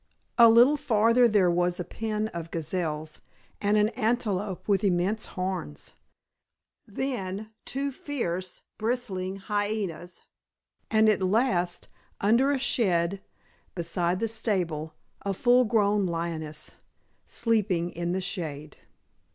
A little farther, there was a pen of gazelles and an antelope with immense horns; then two fierce, bristling hyenas; and at last, under a shed beside the stable, a full grown lioness sleeping in the shade.